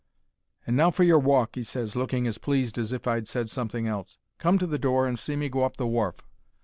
"And now for your walk," he ses, looking as pleased as if I'd said something else. "Come to the door and see me go up the wharf."